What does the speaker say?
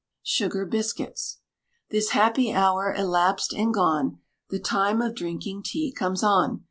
SUGAR BISCUITS. This happy hour elapsed and gone, The time of drinking tea comes on.